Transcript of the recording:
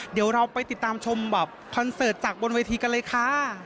เดี๋ยวเราไปติดตามชมแบบคอนเสิร์ตจากบนเวทีกันเลยค่ะ